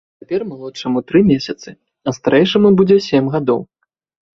Цяпер малодшаму тры месяцы, а старэйшаму будзе сем гадоў.